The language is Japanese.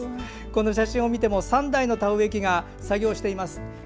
この写真を見ても３台の田植え機が作業しています。